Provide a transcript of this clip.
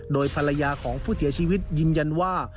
โดยภรรยาของผู้เสียชีวิตยืนยันว่า